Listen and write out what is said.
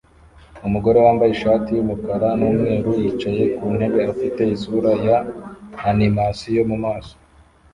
Umugore wambaye ishati yumukara numweru yicaye ku ntebe afite isura ya animasiyo mu maso